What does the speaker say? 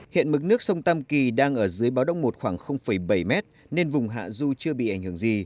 hiện mức nước sông tam kỳ đang ở dưới báo đông một khoảng bảy m nên vùng hạ ru chưa bị ảnh hưởng gì